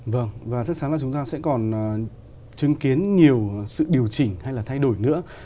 vâng và chắc chắn là chúng ta sẽ còn chứng kiến nhiều sự điều chỉnh hay là thay đổi nữa